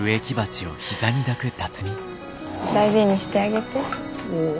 大事にしてあげて。